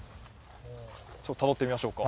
ちょっとたどってみましょうか。